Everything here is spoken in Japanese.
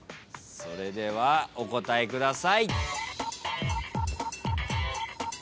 それではお答えください。